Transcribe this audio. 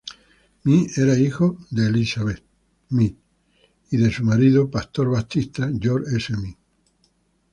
Mee era hijo de George S. Mee, pastor baptista, y de su mujer Elizabeth.